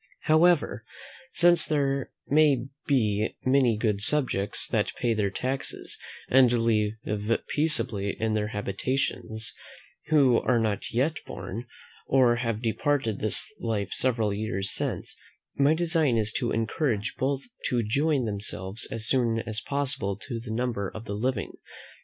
However, since there may be many good subjects, that pay their taxes, and live peaceably in their habitations, who are not yet born, or have departed this life several years since, my design is to encourage both to join themselves as soon as possible to the number of the living.